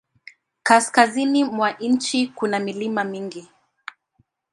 Kaskazini mwa nchi kuna milima mingi.